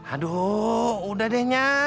aduh udah deh na